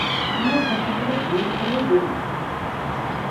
شۇڭا خاپا بولۇپ نېمە قىلاي دېدىم.